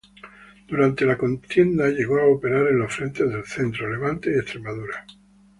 Durante la contienda llegó a operar en los frentes del Centro, Levante y Extremadura.